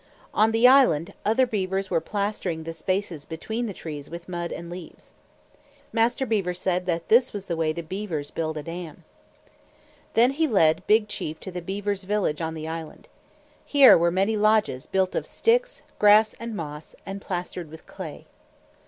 On the island, other beavers were plastering the spaces between the trees with mud and leaves. Master Beaver said that this was the way the beavers built a dam. Then he led Big Chief to the beavers' village on the island. Here were many lodges, built of sticks, grass and moss, and plastered with clay.